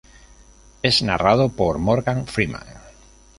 Es narrado por Morgan Freeman.